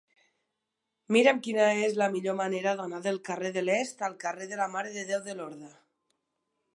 Mira'm quina és la millor manera d'anar del carrer de l'Est al carrer de la Mare de Déu de Lorda.